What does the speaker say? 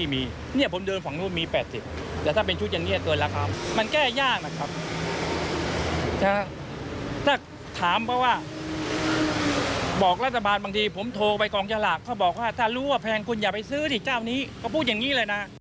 เมื่อวานนี้